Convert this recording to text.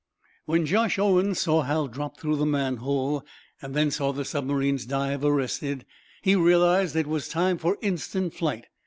When Josh Owen saw Hal drop through the manhole, and then saw the submarine's dive arrested, he realized that it was time for instant flight.